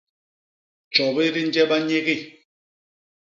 Tjobi di nje banyegi.